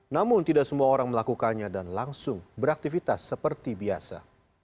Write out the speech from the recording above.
namun tidak semua orang melakukannya dan langsung beraktivitas seperti biasa